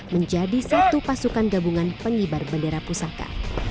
menjadi satu pasukan gabungan penghibar bandara pusaka